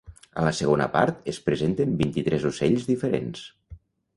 A la segona part es presenten vint-i-tres ocells diferents.